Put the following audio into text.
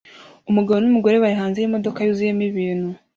Umugabo numugore bari hanze yimodoka yuzuyemo ibintu